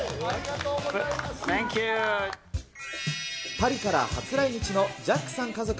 パリから初来日のジャックさん家族。